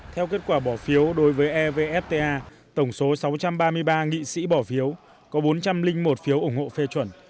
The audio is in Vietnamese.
theo kết quả bỏ phiếu đối với evfta tổng số sáu trăm ba mươi ba nghị sĩ bỏ phiếu có bốn trăm linh một phiếu ủng hộ phê chuẩn